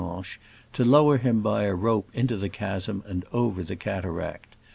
69 Tournanche — to lower him by a rope into the chasm and over the cataract.